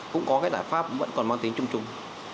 cũng có cái giải pháp vẫn còn mang tính chung chung